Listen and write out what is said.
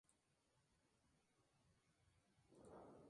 Desarrolló una intensa actividad en la música de cámara.